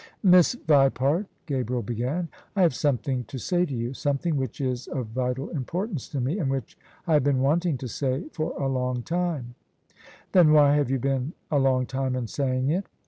" Miss Vipart," Gabriel began, " I have something to say to you: something which is of vital importance to me, and which I have been wanting to say for a long time," "Then why have you been a long time in saying it?"